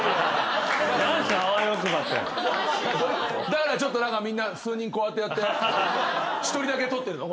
だからちょっと何かみんな数人こうやってやって１人だけ取ってるの？